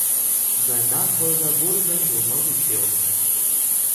Sein Nachfolger wurde sein Sohn Mauricio.